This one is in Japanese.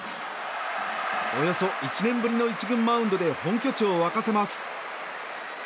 およそ１年ぶりの１軍マウンドで本拠地を沸かせます。